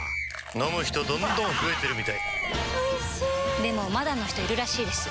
飲む人どんどん増えてるみたいおいしでもまだの人いるらしいですよ